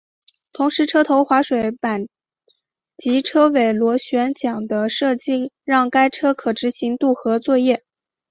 同时车头滑水板及车尾螺旋桨的设计让该车可执行渡河作业。